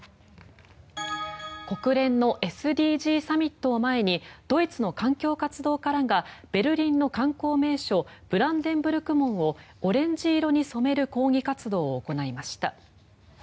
国連のＳＤＧサミットを前にドイツの環境活動家らがベルリンの観光名所ブランデンブルク門をオレンジ色に染める抗議活動を行いました。